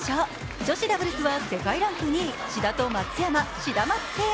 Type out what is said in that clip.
女子ダブルスは世界ランク２位、志田と松山、シダマツペア。